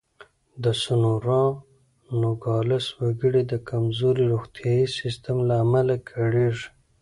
د سونورا نوګالس وګړي د کمزوري روغتیايي سیستم له امله کړېږي.